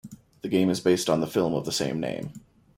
The game is based on the film of the same name.